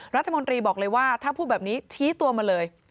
รัฐมนตรีบอกเลยว่าถ้าพูดแบบนี้ชี้ตัวมาเลย